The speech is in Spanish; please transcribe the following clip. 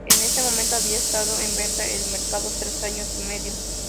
En ese momento había estado en venta en el mercado tres años y medio.